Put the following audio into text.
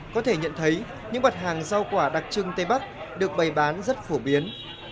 có thể nhận thấy những mặt hàng rau quả đặc trưng tây bắc được bày bán rất phổ biến